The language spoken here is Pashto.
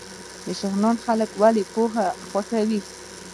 شغنان خلک ولې پوهه خوښوي؟